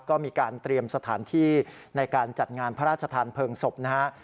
ก็มีการเตรียมสถานที่ในการจัดงานพระราชทานเพลิงศพนะฮะ